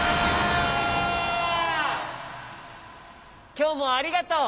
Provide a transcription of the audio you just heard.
きょうもありがとう！